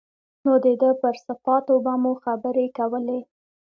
نو د ده پر صفاتو به مو خبرې کولې.